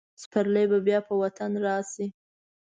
سپرلی به بیا په وطن راشي.